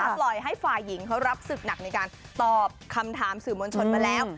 ปล่อยให้ฝ่ายหญิงเขารับศึกหนักในการตอบคำถามสื่อมวลชนมาแล้ว